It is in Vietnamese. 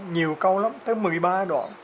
nhiều câu lắm tới một mươi ba đoạn